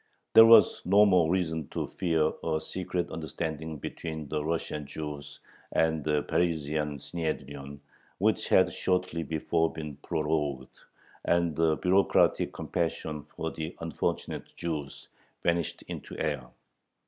There was no more reason to fear a secret understanding between the Russian Jews and the Parisian Synhedrion, which had shortly before been prorogued, and the bureaucratic compassion for the unfortunate Jews vanished into air.